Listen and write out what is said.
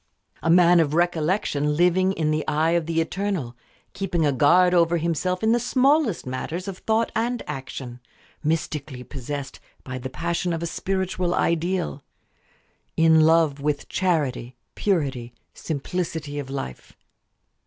A man of "recollection" living in the eye of the Eternal; keeping a guard over himself in the smallest matters of thought and action; mystically possessed by the passion of a spiritual ideal; in love with charity, purity, simplicity of life.